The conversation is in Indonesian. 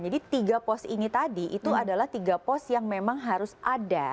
jadi tiga pos ini tadi itu adalah tiga pos yang memang harus ada